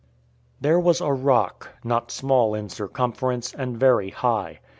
3. There was a rock, not small in circumference, and very high.